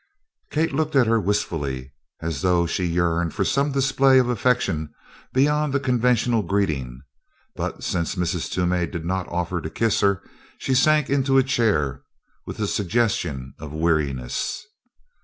Kate looked at her wistfully as though she yearned for some display of affection beyond the conventional greeting, but since Mrs. Toomey did not offer to kiss her she sank into a chair with a suggestion of weariness.